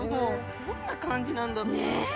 どんな感じなんだろう。ねえ。